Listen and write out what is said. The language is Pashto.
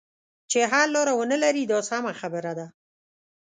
چې حل لاره ونه لري دا سمه خبره ده.